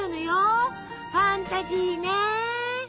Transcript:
ファンタジーね！